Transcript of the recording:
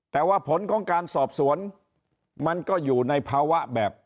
แต่ว่าผลของการสอบสวนมันก็อยู่ในภาวะแบบ